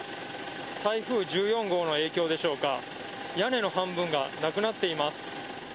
台風１４号の影響でしょうか、屋根の半分がなくなっています。